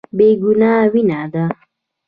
بې ګناه وينه ده.